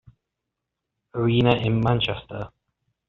Arena in Manchester.